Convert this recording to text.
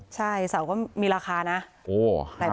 ใช่เสาก็มีราคานะหลายพัน